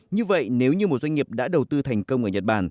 như vậy nếu như một doanh nghiệp đã đầu tư thành công ở nhật bản